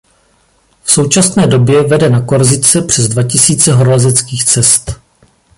V současné době vede na Korsice přes dva tisíce horolezeckých cest.